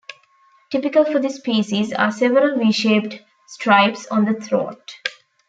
Typical for this species are several v-shaped stripes on the throat.